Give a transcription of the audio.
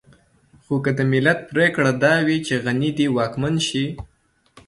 خو که د ملت پرېکړه دا وي چې غني دې واکمن شي.